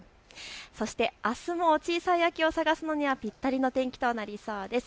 そして、あすも小さい秋を探すのにはぴったりの天気となりそうです。